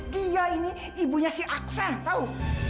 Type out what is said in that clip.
dia ini ibunya si aksan tau